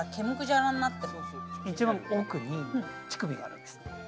一番奥に乳首があるんですね。